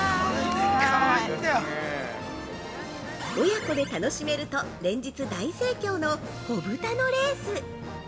◆親子で楽しめると連日大盛況のこぶたのレース！